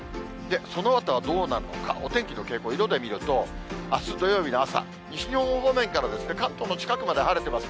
そのあとはどうなるのか、お天気の傾向、色で見ると、あす土曜日の朝、西日本方面から関東の近くまで晴れてます。